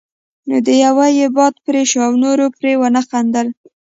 نو د يوه یې باد پرې شو او نورو پرې ونه خندل.